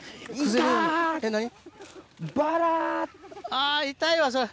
あ痛いわそれ！